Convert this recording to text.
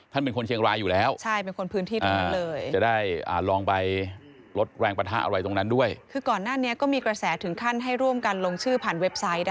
ท่านเป็นคนเชียงรายอยู่แล้ว